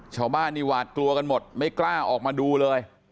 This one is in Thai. ชาวบ้านนี่หวาดกลัวกันหมดไม่กล้าออกมาดูเลย